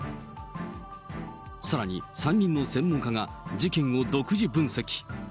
さらに、３人の専門家が事件を独自分析。